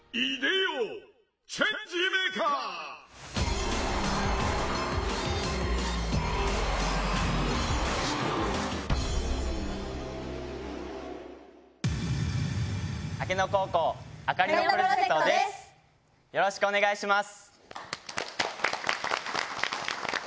よろしくお願いします。